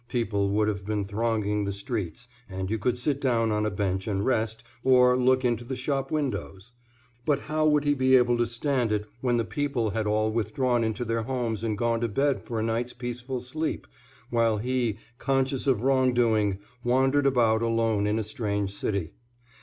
People would have been thronging the streets, and you could sit down on a bench and rest, or look into the shop windows. But how would he be able to stand it when the people had all withdrawn into their homes and gone to bed for a night's peaceful sleep while he, conscious of wrongdoing, wandered about alone in a strange city?